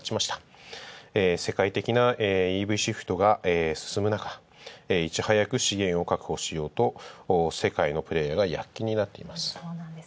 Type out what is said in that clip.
世界的なＥＶシフトが進むなか、いち早く資源を確保しようと世界のプレーヤーが躍起になっています。